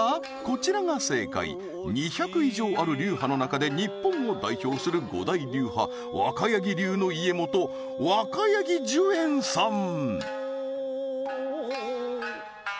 こちらが正解２００以上ある流派の中で日本を代表する五大流派若柳派の家元若柳壽延さん